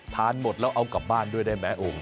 หมดแล้วเอากลับบ้านด้วยได้ไหมโอ่ง